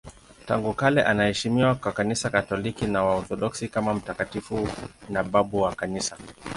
Tangu kale anaheshimiwa na Kanisa Katoliki na Waorthodoksi kama mtakatifu na babu wa Kanisa.